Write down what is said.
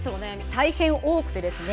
大変多くてですね